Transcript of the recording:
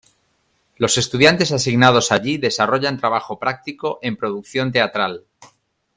Los estudiantes asignados allí desarrollan trabajo práctico en producción teatral.